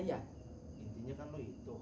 intinya kan lu itu